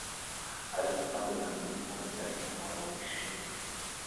Alexander Hamilton yari umuntu wishimye.